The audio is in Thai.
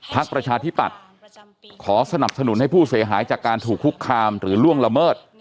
ประชาธิปัตย์ขอสนับสนุนให้ผู้เสียหายจากการถูกคุกคามหรือล่วงละเมิด